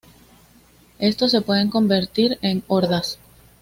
Estos se pueden convertir en hordas.